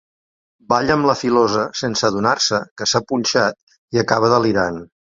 Balla amb la filosa sense adonar-se que s'ha punxat i acaba delirant.